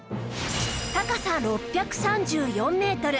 高さ６３４メートル